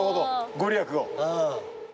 御利益を。